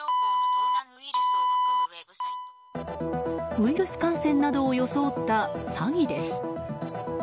ウイルス感染などを装った詐欺です。